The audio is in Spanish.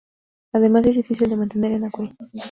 Además, es difícil de mantener en acuario.